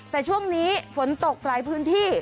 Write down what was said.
แต่ช่วงนี้ฝนตกหลายพื้นที่